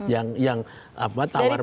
yang apa tawar menawarkan